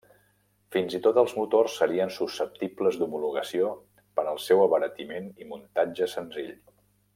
Fins i tot els motors serien susceptibles d'homologació per al seu abaratiment i muntatge senzill.